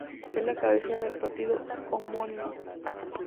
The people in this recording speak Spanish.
Es la cabecera del partido homónimo.